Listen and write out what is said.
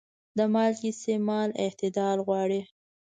د مالګې استعمال اعتدال غواړي.